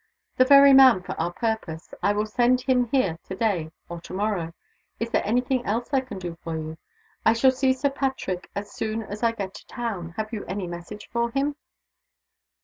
"The very man for our purpose! I will send him here to day or to morrow. Is there any thing else I can do for you? I shall see Sir Patrick as soon as I get to town. Have you any message for him?"